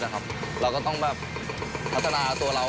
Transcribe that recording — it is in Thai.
เราก็ต้องพัฒนาตัวเรา